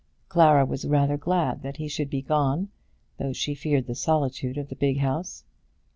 Clara was rather glad that he should be gone, though she feared the solitude of the big house.